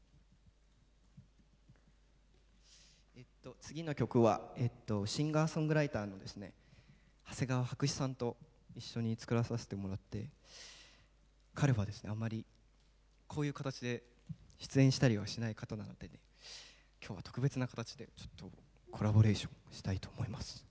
次の曲はシンガーソングライターの長谷川白紙さんと一緒に作らさせてもらった彼はあまりこういう形で出演したりしない方なんできょうは特別な形でコラボレーションをしたいと思います。